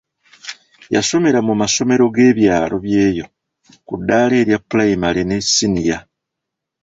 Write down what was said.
Yasomera mu masomero g'ebyalo byeyo ku ddaala erya Pulayimale ne Siniya.